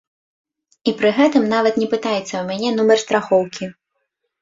І пры гэтым нават не пытаецца ў мяне нумар страхоўкі.